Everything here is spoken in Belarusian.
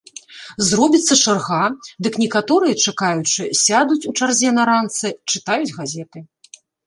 Зробіцца чарга, дык некаторыя, чакаючы, сядуць у чарзе на ранцы, чытаюць газеты.